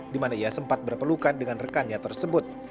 di mana ia sempat berpelukan dengan rekannya tersebut